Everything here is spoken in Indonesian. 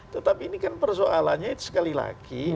tetapi ini kan persoalannya sekali lagi